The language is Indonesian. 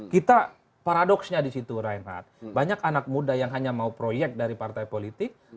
kita paradoksnya di situ reinhardt banyak anak muda yang hanya mau proyek dari partai politik